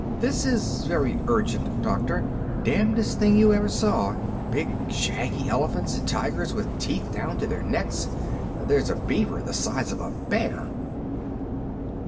"This is very urgent, Doctor. Damnest thing you ever saw. Big, shaggy elephants and tigers with teeth down to their necks. There's a beaver the size of a bear."